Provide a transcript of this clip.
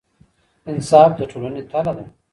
انصاف د ټولنې تله ده.